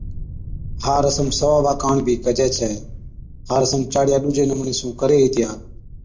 ھا رسم ثوابا ڪاڻ بِي ڪجَي ڇَي۔ ھا رسم چاڙِيا ڏُوجي نمُوني سُون ڪرھي ھِتيا